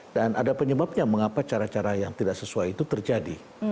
dan ada penyebabnya mengapa cara cara yang tidak sesuai itu terjadi